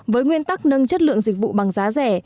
với nguyên tắc nâng chất lượng dịch vụ bằng giá rẻ